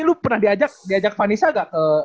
lu pernah diajak fannisa gak ke